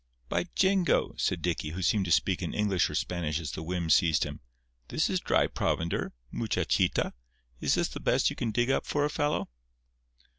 "By jingo," said Dicky, who seemed to speak in English or Spanish as the whim seized him, "this is dry provender, muchachita. Is this the best you can dig up for a fellow?"